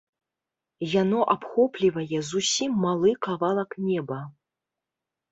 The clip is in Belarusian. Яно абхоплівае зусім малы кавалак неба.